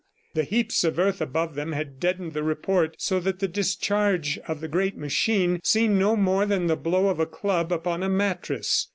... The heaps of earth above them had deadened the report, so that the discharge of the great machine seemed no more than the blow of a club upon a mattress.